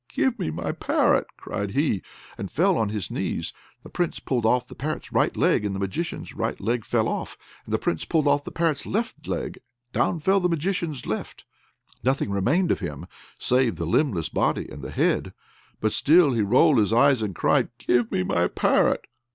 "Give me my parrot!" cried he, and fell on his knees. The Prince pulled off the parrot's right leg, the Magician's right leg fell off: the Prince pulled off the parrot's left leg, down fell the Magician's left. Nothing remained of him save the limbless body and the head; but still he rolled his eyes, and cried, "Give me my parrot!"